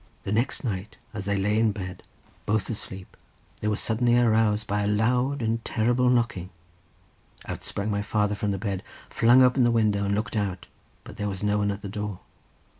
The next night, as they lay in bed both asleep, they were suddenly aroused by a loud and terrible knocking. Out sprang my father from the bed, flung open the window, and looked out, but there was no one at the door.